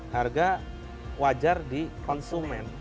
harga wajar di konsumen